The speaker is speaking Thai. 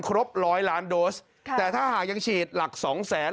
ครบร้อยล้านโดสค่ะแต่ถ้าหากยังฉีดหลักสองแสน